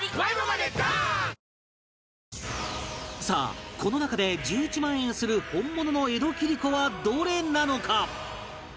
さあこの中で１１万円する本物の江戸切子はどれなのか？